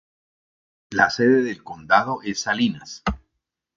La sede del condado es Salinas.